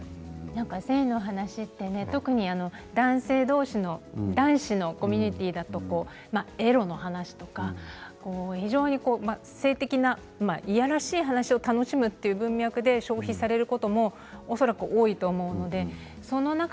性の話は男性同士のコミュニティーだとエロの話とか非常に性的ないやらしい話を楽しむという文脈で消費されることも恐らく多いと思うのです。